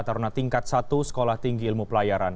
taruna tingkat satu sekolah tinggi ilmu pelayaran